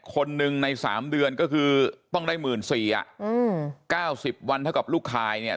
คนหนึ่งใน๓เดือนก็คือต้องได้๑๔๐๐อ่ะ๙๐วันเท่ากับลูกคายเนี่ย